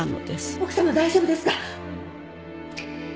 奥さま大丈夫ですか？